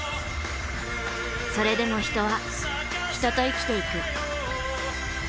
それでも人は人と生きていく。